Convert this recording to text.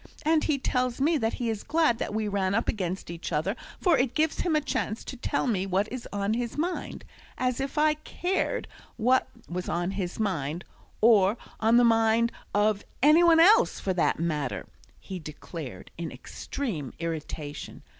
And he tells me that he is glad that we ran up against each other, for it gives him a chance to tell me what is on his mind. As if I cared what was on his mind, or on the mind of any one else, for that matter," he declared, in extreme irritation.